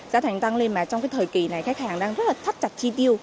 giá thành tăng lên mà trong thời kỳ này khách hàng đang rất thắt chặt chi tiêu